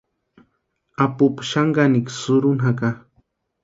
Apupu xani kanikwa sïrhuni jaka.